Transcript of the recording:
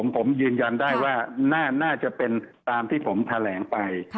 ผมยืนยันได้ว่าน่าจะเป็นตามที่ผมแถลงไป